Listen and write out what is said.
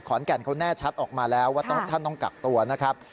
ขอนแก่นเขาแน่ชัดออกมาแล้วว่าท่านต้องกักตัวนะครับ